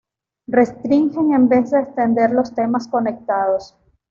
Restringen en vez de extender los temas conectados.